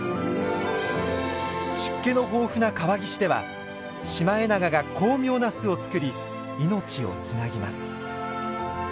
湿気の豊富な川岸ではシマエナガが巧妙な巣を作り命をつなぎます。